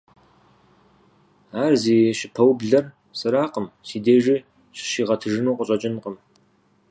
Ар зи щыпэублэр сэракъым, си дежи щыщигъэтыжыну къыщӀэкӀынкъым.